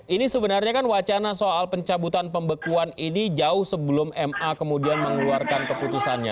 ini sebenarnya kan wacana soal pencabutan pembekuan ini jauh sebelum ma kemudian mengeluarkan keputusannya